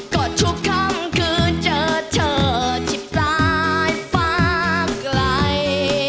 ก็ทุกค่ำคืนเจอเธอที่ปลายฟ้าไกล